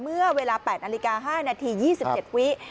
เมื่อเวลา๘นาฬิกา๕นาที๒๗วิ